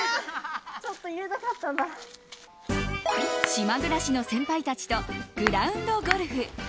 島暮らしの先輩たちとグラウンドゴルフ。